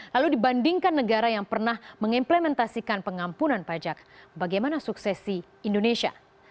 lalu dibandingkan negara yang pernah mengimplementasikan pengampunan pajak bagaimana suksesi indonesia